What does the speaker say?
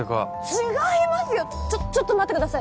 違いますよちょっちょっと待ってください